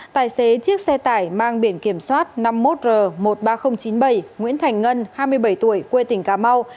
tài xế chiếc xe tải mang biển kiểm soát năm mươi một r một mươi ba nghìn chín mươi bảy nguyễn thành ngân hai mươi bảy tuổi quê tỉnh cà mau